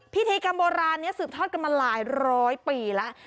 พิธีกรรมโบราณนี้สืบทอดกันมาหลายร้อยปีแล้ว